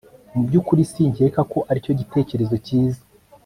Mubyukuri sinkeka ko aricyo gitekerezo cyiza